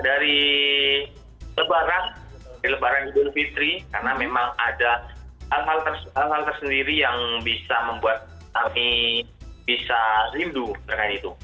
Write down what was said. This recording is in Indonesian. dari lebaran di lebaran idul fitri karena memang ada hal hal tersendiri yang bisa membuat kami bisa rindu terkait itu